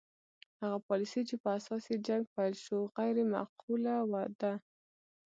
هغه پالیسي چې په اساس یې جنګ پیل شو غیر معقوله ده.